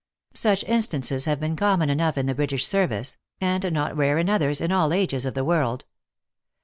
Such in stances have been common enough in the British ser vice and not rare in. others, in all ages of the world.